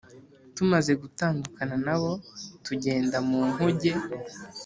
Tumaze gutandukana na bo tugenda mu nkuge